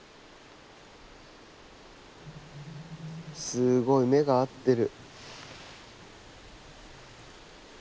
すごい目が合ってる。